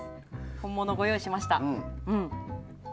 本物をご用意しました。